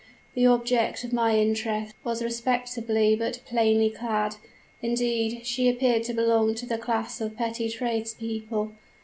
The object of my interest was respectably but plainly clad; indeed, she appeared to belong to the class of petty tradespeople.